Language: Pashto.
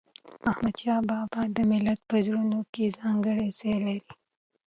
احمدشاه بابا د ملت په زړونو کې ځانګړی ځای لري.